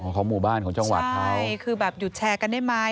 ของหมู่บ้านของจังหวัดเขาใช่คือแบบหยุดแชร์กันได้ไหม